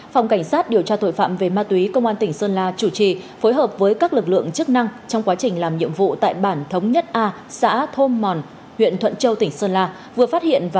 phòng cảnh sát điều tra tội phạm về ma túy công an tỉnh sơn la chủ trì phối hợp với các lực lượng chức năng trong quá trình làm nhiệm vụ tại bản thống nhất a xã thôn mòn huyện thuận châu tỉnh sơn la vừa phát hiện